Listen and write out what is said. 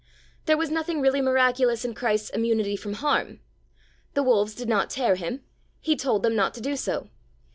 There was nothing really miraculous in Christ's immunity from harm. The wolves did not tear Him; He told them not to do so.